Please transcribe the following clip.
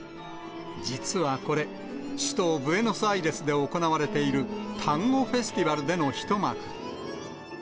実はこれ、首都ブエノスアイレスで行われている、タンゴフェスティバルでの一幕。